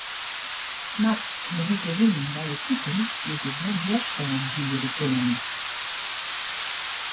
Mar oan 'e wite wyn by it iten hie se gjin wjerstân biede kinnen.